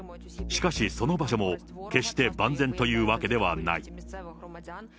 しかし、その場所も決して万全というわけではない。